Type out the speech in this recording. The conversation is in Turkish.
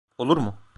Olur mu?